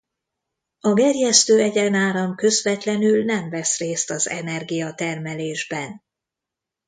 A gerjesztő egyenáram közvetlenül nem vesz részt az energia termelésben.